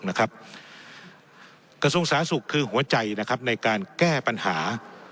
นะครับคือหัวใจนะครับในการแก้ปัญหา